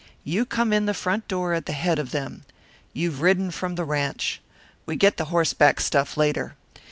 You come in the front door at the head of them. You've ridden in from the ranche. We get the horseback stuff later.